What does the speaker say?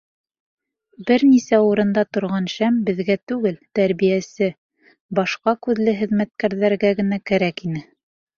Бер нисә урында торған шәм беҙгә түгел, тәрбиәсе, башҡа күҙле хеҙмәткәрҙәргә генә кәрәк ине.